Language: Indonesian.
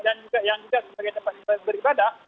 yang juga sebagai tempat beribadah